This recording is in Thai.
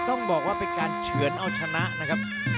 ต้องบอกว่าเป็นการเฉือนเอาชนะนะครับ